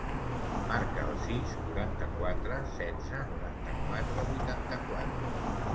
Marca el sis, quaranta-quatre, setze, noranta-quatre, vuitanta-quatre.